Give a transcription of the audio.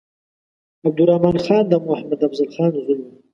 عبدالرحمن خان د محمد افضل خان زوی وو.